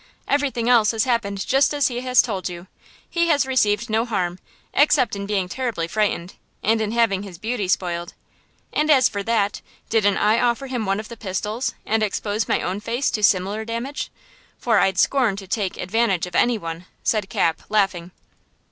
Everything else has happened just as he has told you! He has received no harm, except in being terribly frightened, and in having his beauty spoiled! And as for that, didn't I offer him one of the pistols, and expose my own face to similar damage? For I'd scorn to take advantage of any one!" said Cap, laughing.